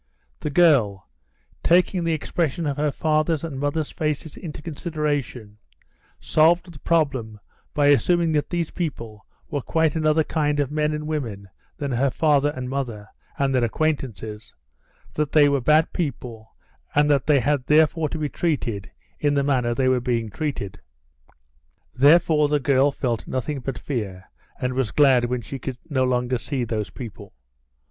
The girl, taking the expression of her father's and mother's faces into consideration, solved the problem by assuming that these people were quite another kind of men and women than her father and mother and their acquaintances, that they were bad people, and that they had therefore to be treated in the manner they were being treated. Therefore the girl felt nothing but fear, and was glad when she could no longer see those people.